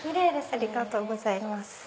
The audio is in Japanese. ありがとうございます。